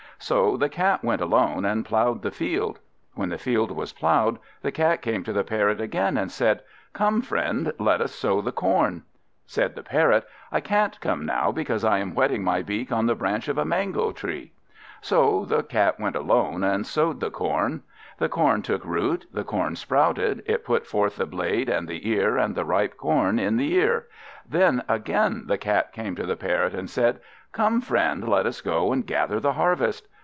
So the Cat went alone, and ploughed the field. When the field was ploughed, the Cat came to the Parrot again, and said "Come, friend, let us sow the corn." Said the Parrot, "I can't come now, because I am whetting my beak on the branch of a mango tree." So the Cat went alone, and sowed the corn. The corn took root, the corn sprouted, it put forth the blade, and the ear, and the ripe corn in the ear. Then again the Cat came to the Parrot, and said "Come, friend, let us go and gather the harvest."